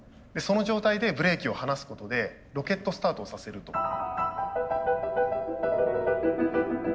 その状態でブレーキを放すことでロケットスタートをさせると。